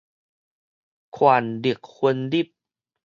權力分立